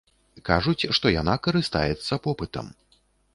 Кажуць, што яна карыстаецца попытам.